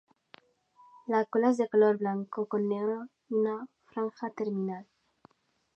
La cola es de color blanco con negro y una franja terminal.